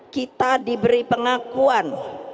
kita diberi pengakuan